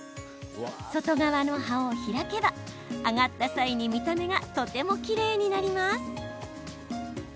外側の葉を開けば、揚がった際に見た目がとてもきれいになります。